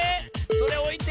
それおいて。